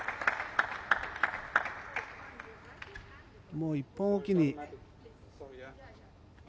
もう１本おきに。